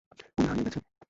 উনি হারিয়ে গেছেন।